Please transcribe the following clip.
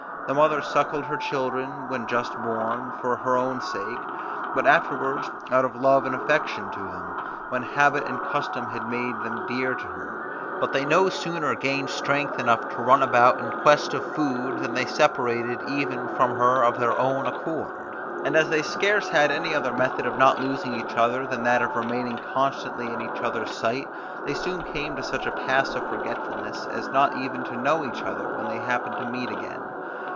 The mother suckled her children, when just born, for her own sake; but afterwards out of love and affection to them, when habit and custom had made them dear to her; but they no sooner gained strength enough to run about in quest of food than they separated even from her of their own accord; and as they scarce had any other method of not losing each other, than that of remaining constantly in each other's sight, they soon came to such a pass of forgetfulness, as not even to know each other, when they happened to meet again.